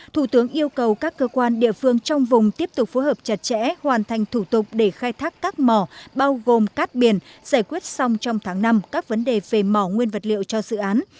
thủ tướng yêu cầu các cơ quan địa phương trong vùng tiếp tục phối hợp chặt chẽ hoàn thành thủ tục để khai thác các mỏ bao gồm cát biển giải quyết xong trong tháng năm các vấn đề về mỏ nguyên vật liệu cho dự án